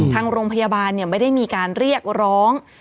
ทางโรงพยาบาลไม่ได้มีการเรียกร้อง